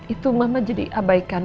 itu mama jadi abaikan